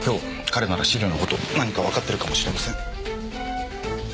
彼なら資料の事何かわかってるかもしれません。